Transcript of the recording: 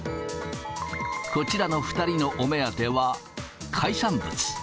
こちらの２人のお目当ては、海産物。